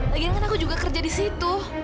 lagian kan aku juga kerja di situ